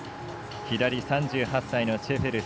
３８歳のシェフェルス。